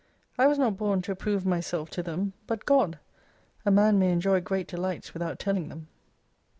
I was not born to approve myself ta them, but God. A man may enjoy great delights, without telling them.